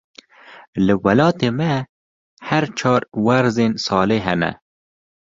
Li welatê me, her çar werzên salê hene.